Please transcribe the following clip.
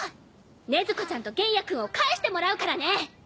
禰豆子ちゃんと玄弥君を返してもらうからね。